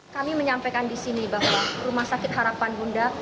kami menyampaikan di sini bahwa rumah sakit harapan bunda